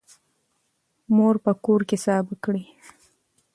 مور په کور کې سابه کري.